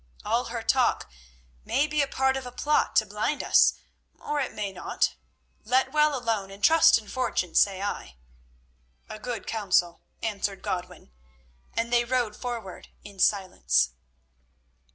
All her talk may be a part of a plot to blind us, or it may not. Let well alone and trust in fortune, say I." "A good counsel," answered Godwin, and they rode forward in silence.